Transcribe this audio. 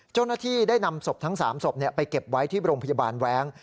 เจ้าหน้าที่ได้นำศพทั้ง๓ศพไปเก็บไว้ที่โรงพยาบาลแว้ง